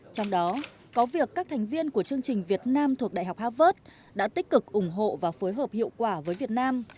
trong đó có việc các thành viên của chương trình việt nam thuộc đại học harvard đã tích cực ủng hộ và phối hợp hiệu quả với việt nam